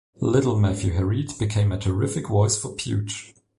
Little Matthew Herried became a terrific voice for Pudge.